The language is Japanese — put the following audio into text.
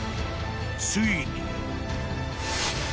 ［ついに］